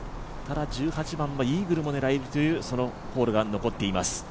１８番はイーグルも狙えるというホールが残っています。